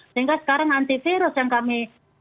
sehingga sekarang antivirus yang kami